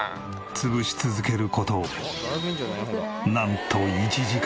潰し続ける事なんと１時間。